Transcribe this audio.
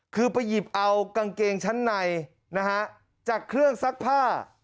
คือไปหยิบเอากางเกงชั้นในนะฮะจากเครื่องซักผ้า